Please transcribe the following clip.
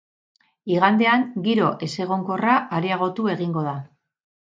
Igandean giro ezegonkorra areagotu egingo da.